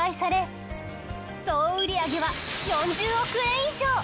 総売上は４０億円以上！